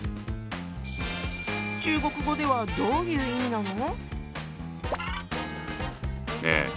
中国語ではどういう意味なの？